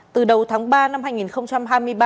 từ đầu tháng ba năm hai nghìn hai mươi ba